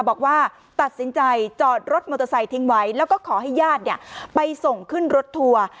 บอกว่าตัดสินใจจอดรถมอเตอร์ไซค์ทิ้งไว้แล้วก็ขอให้ญาติไปส่งขึ้นรถทัวร์